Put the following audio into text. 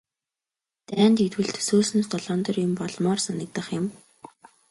Дайн дэгдвэл төсөөлснөөс долоон доор юм болмоор санагдах юм.